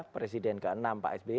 presiden ke enam pak sby